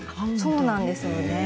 そうなんですよね。